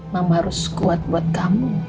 mama harus kuat buat kamu